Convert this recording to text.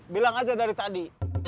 bilang aja dari tadi